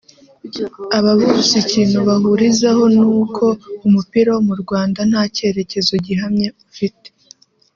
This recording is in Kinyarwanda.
Aba bose ikintu bahurizaho ni uko umupira wo mu Rwanda nta cyerekezo gihamye ufite